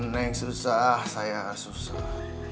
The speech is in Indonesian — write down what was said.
neng susah saya susah